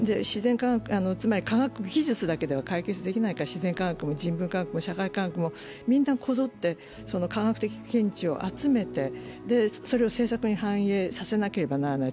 つまり科学技術だけでは解決できないから、自然科学も人文科学も社会科学もみんなこぞって、科学的検知を集めてそれを政策に反映させなければならない。